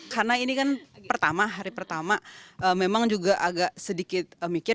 karena ini kan pertama hari pertama memang juga agak sedikit mikir